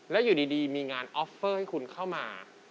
แล้วอยู่ดีมีงานออฟเฟอร์ให้คุณเข้ามา